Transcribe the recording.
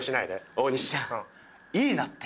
大西ちゃんいいなって。